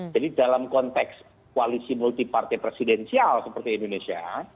jadi dalam konteks koalisi multi partai presidensial seperti indonesia